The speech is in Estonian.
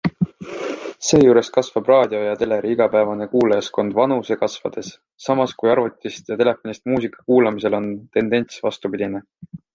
Seejuures kasvab raadio ja teleri igapäevane kuulajaskond vanuse kasvades, samas kui arvutist ja telefonist muusika kuulamisel on tendents vastupidine.